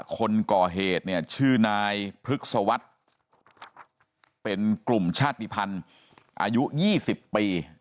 คนก่อเหตุเนี่ยชื่อนายพฤกษวรรษเป็นกลุ่มชาติภัณฑ์อายุ๒๐ปี